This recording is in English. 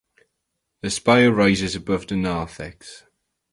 The spire rises above the narthex.